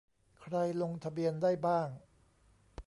ใครลงทะเบียนได้บ้าง